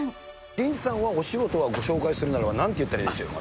林さんはお仕事はご紹介するならなんて言ったらいいでしょう。